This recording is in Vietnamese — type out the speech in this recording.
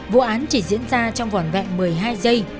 vụ án chỉ diễn ra trong vòn vẹn một mươi hai giây